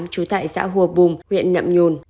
chú tại xã hùa bùm huyện nậm nhôn